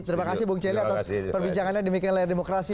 terima kasih bung celi atas perbincangannya demikian layar demokrasi